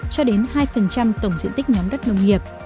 cho đến hai tổng diện tích nhóm đất nông nghiệp